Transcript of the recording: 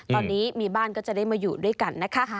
ตอนนี้มีบ้านก็จะได้มาอยู่ด้วยกันนะคะ